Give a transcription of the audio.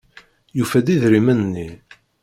Yufa-d idrimen-nni.